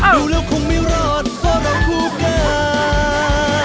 ดูแล้วคงไม่รอดเพราะเราคู่กัน